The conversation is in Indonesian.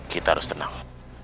kita harus tenang